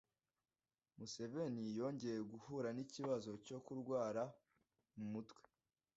Museveni yongeye guhura n’ikibazo cyo kurwara mu mutwe